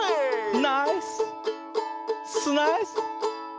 ナイススナイス！